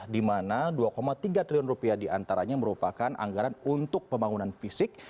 di mana dua tiga triliun rupiah diantaranya merupakan anggaran untuk pembangunan fisik